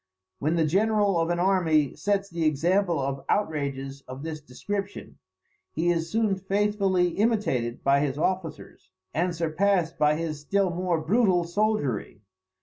When the general of an army sets the example of outrages of this description, he is soon faithfully imitated by his officers, and surpassed by his still more brutal soldiery.